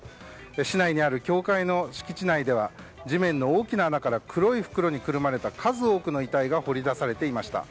市内にある教会の敷地内では地面の大きな穴から黒い袋にくるまれた数多くの遺体が掘り出されていました。